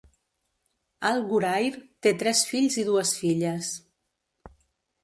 Al Ghurair té tres fills i dues filles.